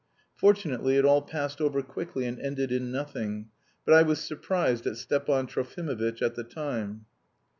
Fortunately it all passed over quickly and ended in nothing, but I was surprised at Stepan Trofimovitch at the time.